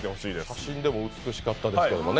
写真でも美しかったですけどね。